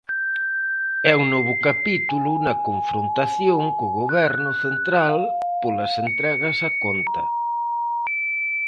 É un novo capítulo na confrontación co Goberno central polas entregas a conta.